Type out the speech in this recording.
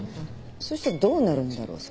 そしたらどうなるんだろう？